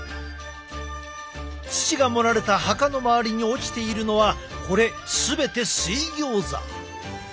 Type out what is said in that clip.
土が盛られた墓の周りに落ちているのはこれ全て水ギョーザ。